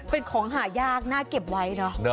เป็นของหายากน่าเก็บไว้เนอะ